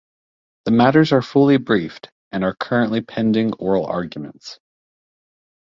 The matters are fully briefed and are currently pending oral arguments.